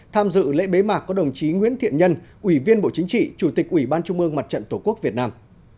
tham dự lễ bế mạc có đồng chí nguyễn thiện nhân ủy viên bộ chính trị chủ tịch ủy ban trung mương mặt trận tổ quốc việt nam